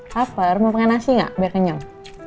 kaper mau pengen nasi gak biar kenyang